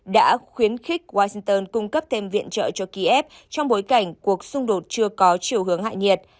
đã khuyến khích washington cung cấp thêm viện trợ cho kiev trong bối cảnh cuộc xung đột chưa có chiều hướng hại nhiệt